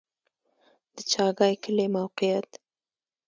د چاګای کلی موقعیت